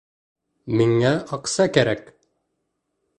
Миңә аҡса кәрәк!